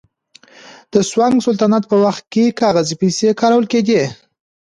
د سونګ سلطنت په وخت کې کاغذي پیسې کارول کېدې.